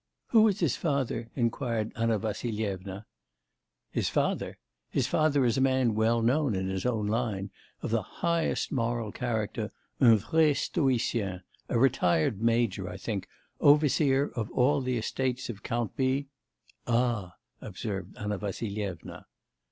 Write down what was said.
'Who is his father?' inquired Anna Vassilyevna. 'His father? His father is a man well known in his own line, of the highest moral character, un vrai stoïcien, a retired major, I think, overseer of all the estates of the Count B ' 'Ah!' observed Anna Vassilyevna.